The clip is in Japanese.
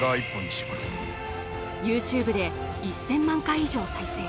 ＹｏｕＴｕｂｅで１０００万回以上再生。